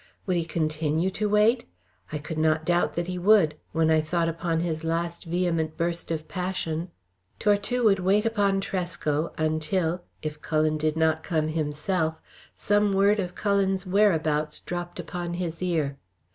Would he continue to wait? I could not doubt that he would, when I thought upon his last vehement burst of passion. Tortue would wait upon Tresco, until, if Cullen did not come himself, some word of Cullen's whereabouts dropped upon his ear.